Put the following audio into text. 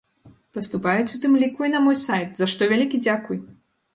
Паступаюць у тым ліку і на мой сайт, за што вялікі дзякуй!